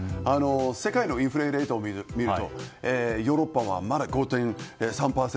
世界のインフレデータを見るとヨーロッパはまだ５．３％